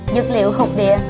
dược liệu hụt địa